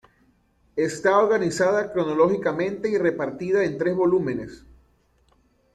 Está organizada cronológicamente y repartida en tres volúmenes.